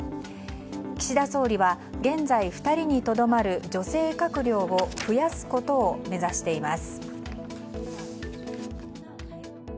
岸田総理は現在、２人にとどまる女性閣僚を増やすことを目指しています。